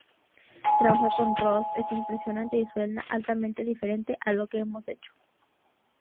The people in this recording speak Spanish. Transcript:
Trabajar con Ross... es impresionante y suena totalmente diferente a lo que hemos hecho.